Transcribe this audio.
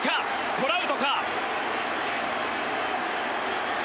トラウトか？